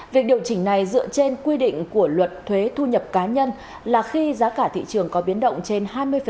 việc điều chỉnh này dựa trên quy định của luật thuế thu nhập cá nhân là khi giá cả thị trường có biến động trên hai mươi